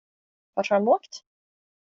Vart har de åkt?